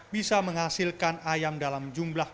bisa menghasilkan ayam dalam jumlah